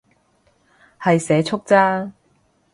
係社畜咋